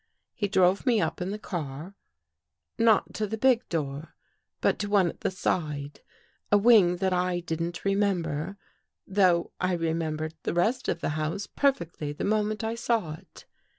" He drove me up in the car — not to the big door, but to one at the side, a wing that I didn't re member, though I remembered the rest of the house perfectly the moment I saw it.